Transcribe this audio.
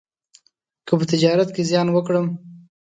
که په تجارت کې زیان وکړم،